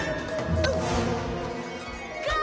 あっ！